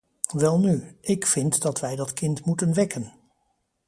Welnu, ik vind dat wij dat kind moeten wekken.